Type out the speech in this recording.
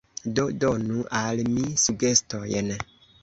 Do donu al mi sugestojn.